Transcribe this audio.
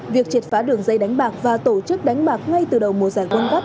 việc triệt phá đường dây đánh bạc và tổ chức đánh bạc ngay từ đầu mùa giải quân gấp